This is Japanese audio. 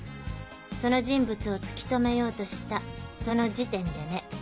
その人物を突き止めようとしたその時点でね。